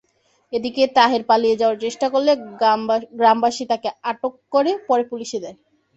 এদিকে তাহের পালিয়ে যাওয়ার চেষ্টা করলে গ্রামবাসী তাঁকে আটক করে, পরে পুলিশে দেয়।